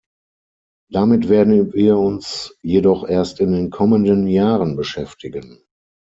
Damit werden wir uns jedoch erst in den kommenden Jahren beschäftigen.